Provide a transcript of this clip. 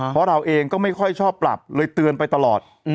เพราะเราเองก็ไม่ค่อยชอบปรับเลยเตือนไปตลอด